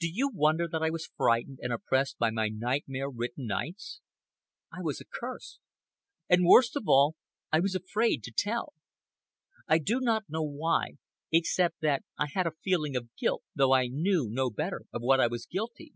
Do you wonder that I was frightened and oppressed by my nightmare ridden nights? I was accursed. And, worst of all, I was afraid to tell. I do not know why, except that I had a feeling of guilt, though I knew no better of what I was guilty.